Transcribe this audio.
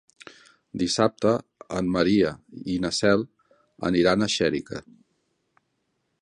Dissabte en Maria i na Cel aniran a Xèrica.